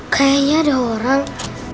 kayaknya ada orang